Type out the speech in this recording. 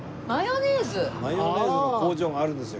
マヨネーズの工場があるんですよ